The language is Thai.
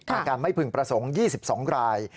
อาการไม่พึงประสงค์๒๒ราย